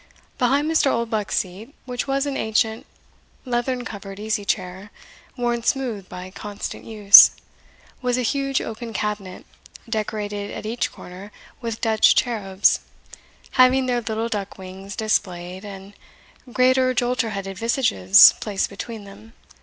Behind Mr. Oldbuck's seat (which was an ancient leathern covered easy chair, worn smooth by constant use) was a huge oaken cabinet, decorated at each corner with Dutch cherubs, having their little duck wings displayed, and great jolter headed visages placed between them.